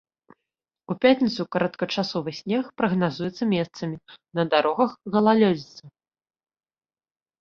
У пятніцу кароткачасовы снег прагназуецца месцамі, на дарогах галалёдзіца.